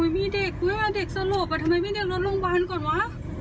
มีเด็กเวลาเด็กสลบทำไมไม่ได้รถโรงพยาบาลก่อนวะ